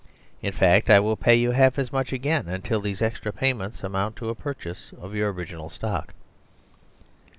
In fact, I will pay you half as much again until these extra payments amount to a purchase of your original stock."